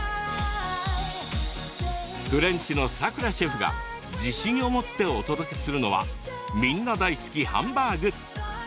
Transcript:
フレンチのさくらシェフが自信を持ってお届けするのはみんな大好きハンバーグ。